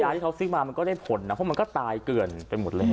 ที่เขาซิกมามันก็ได้ผลนะเพราะมันก็ตายเกลื่อนไปหมดเลย